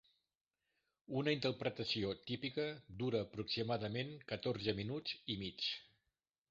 Una interpretació típica dura aproximadament catorze minuts i mig.